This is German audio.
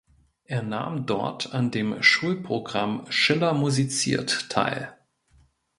Er nahm dort an dem Schulprogramm "Schiller musiziert" teil.